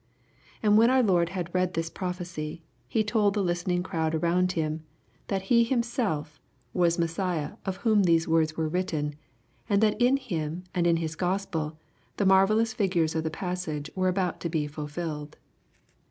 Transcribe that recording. And when our Lord had read this prophecy, He told the listening crowd around Him^ that He Himself was the Messiah of whom LUKE^ CHAP. nr. 117 tiiese words were written, and tliat in Him and In His Gospel the mavellous figures of the passage were about to be fulfilled.